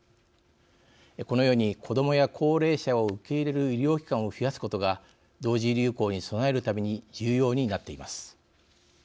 このように、子どもや高齢者を受け入れる医療機関を増やすことが同時流行に備えるために重要になっています。